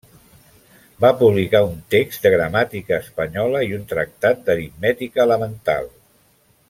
Va publicar un text de Gramàtica espanyola i un tractat d'aritmètica elemental.